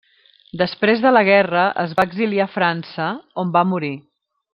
Després de la guerra es va exiliar a França, on va morir.